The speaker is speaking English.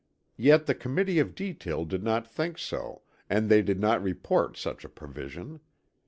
Yet the Committee of Detail did not think so and they did not report such a provision.